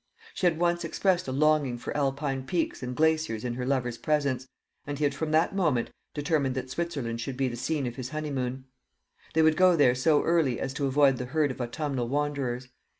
She had once expressed a longing for Alpine peaks and glaciers in her lover's presence, and he had from that moment, determined that Switzerland should be the scene of his honeymoon. They would go there so early as to avoid the herd of autumnal wanderers.